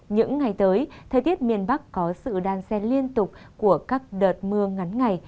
những ngày tới thời tiết miền bắc có sự đan xen liên tục của các đợt mưa ngắn ngày